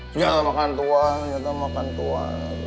senjata makan tua senjata makan tua